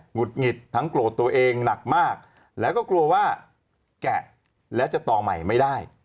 ุดหงิดทั้งโกรธตัวเองหนักมากแล้วก็กลัวว่าแกะแล้วจะต่อใหม่ไม่ได้